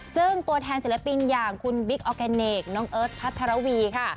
ซึ่งตัวแทนศิลปินอย่างคุณบิ๊กออร์แกเนกน้องเอิร์ทพัทรวีค่ะ